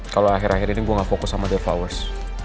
kalo akhir akhir ini gue gak fokus sama dead flowers